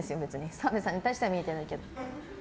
澤部さんに対しては見えてないけど。